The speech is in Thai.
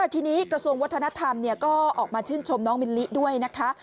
ทีนี้กระทรวงวัฒนธรรมก็ออกมาชื่นชมน้องมิลลิด้วยนะคะ